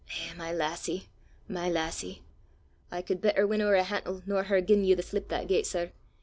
Eh, my lassie! my lassie! I could better win ower a hantle nor her giein' you the slip that gait, sir.